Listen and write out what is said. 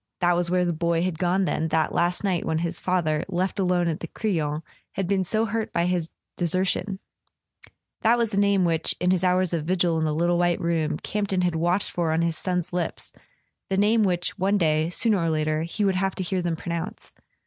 That was where the boy had gone then, that last night when his father, left alone at the Crillon, had been so hurt by his deser¬ tion ! That was the name which, in his hours of vigil in the little white room, Campton had watched for on his son's lips, the name which, one day, sooner or later, he would have to hear them pronounce.